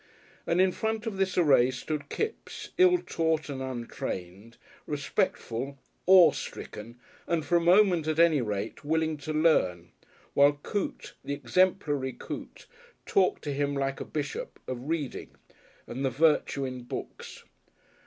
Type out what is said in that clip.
And in front of this array stood Kipps, ill taught and untrained, respectful, awestricken and, for a moment at any rate, willing to learn, while Coote, the exemplary Coote, talked to him like a bishop of reading and the virtue in books.